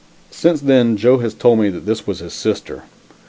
Since then Joe has told me that it was his sister.